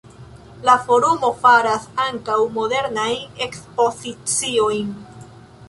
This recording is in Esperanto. La forumo faras ankaŭ modernajn ekspoziciojn.